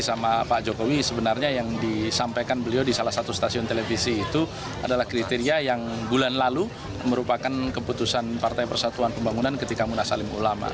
sama pak jokowi sebenarnya yang disampaikan beliau di salah satu stasiun televisi itu adalah kriteria yang bulan lalu merupakan keputusan partai persatuan pembangunan ketika munasalim ulama